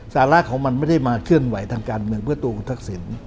สาระของมันไม่ได้มาเคลื่อนไหวทางการเมืองเพื่อตัวคุณทักษิณ